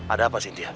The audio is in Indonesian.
ada apa sintia